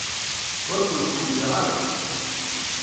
Ur kent-ḥemmleɣ akk.